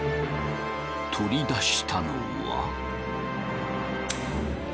取り出したのは！